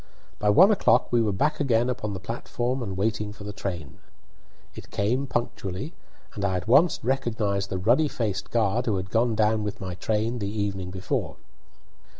By one o'clock we were back again upon the platform and waiting for the train. It came punctually, and I at once recognised the ruddy faced guard who had gone down with my train the evening before.